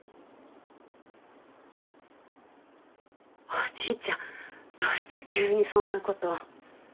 おじいちゃんどうして急にそんなこと。